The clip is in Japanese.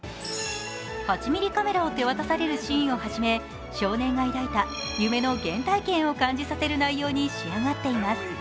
８ミリカメラを手渡されるシーンをはじめ、少年が抱いた夢の原体験を感じさせる内容に仕上がっています。